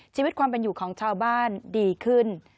ชีวิตความเป็นอยู่ของชาวบ้านดีขึ้น